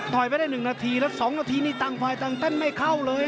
ไปได้๑นาทีแล้ว๒นาทีนี่ต่างฝ่ายต่างเต้นไม่เข้าเลย